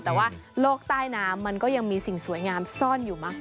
แต่ว่าโลกใต้น้ำมันก็ยังมีสิ่งสวยงามซ่อนอยู่มากมาย